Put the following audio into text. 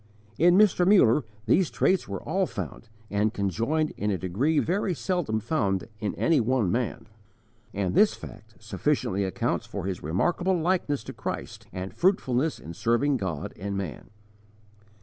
_ In Mr. Muller these traits were all found and conjoined in a degree very seldom found in any one man, and this fact sufficiently accounts for his remarkable likeness to Christ and fruitfulness in serving God and man.